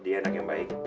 dia anak yang baik